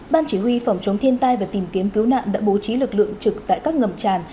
ban chỉ huy phòng chống thiên tai và tìm kiếm cứu nạn đã bố trí lực lượng trực tại các ngầm tràn